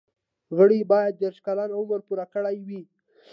غړي باید دیرش کلن عمر پوره کړی وي.